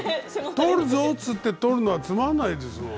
「撮るぞ」っつって撮るのはつまんないですもん。